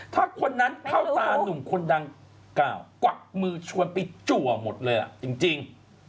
ถ้าคนนั้นเข้าตานุ่มคนดังกล่าวกวักมือชวนไปจัวหมดเลยจริง